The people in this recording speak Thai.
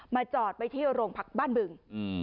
จอดไปที่โรงพักบ้านบึง